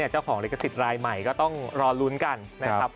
เจ้าของลิขสิทธิ์รายใหม่ก็ต้องรอลุ้นกันนะครับ